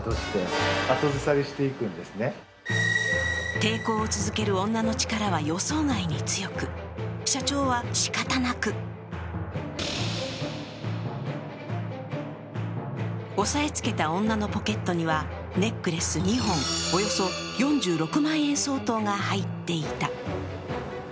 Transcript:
抵抗を続ける女の力は予想外に強く、社長は仕方なく押さえつけた女のポケットにはネックレス２本も、およそ４６万円相当が入っていた。